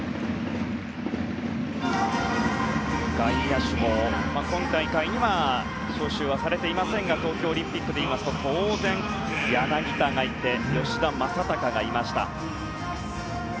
外野手も今大会には招集はされていませんが東京オリンピックでいいますと当然、柳田がいて吉田正尚もいました。